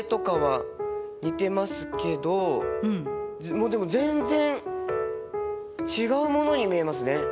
もうでも全然違うものに見えますね。